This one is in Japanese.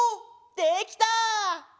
できた！